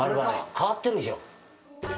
変わってるでしょう？